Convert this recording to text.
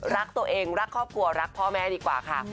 รักตัวเองรักครอบครัวรักพ่อแม่ดีกว่าค่ะ